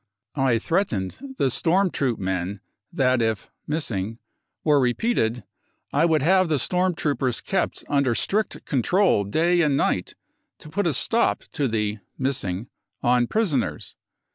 I threat ened the storm troop men that if (missing) were re peated, I would have the storm troopers kept under strict control day and night to put a stop to the (missing) on prisoners.